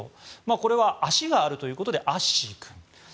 これは足があるということでアッシー君。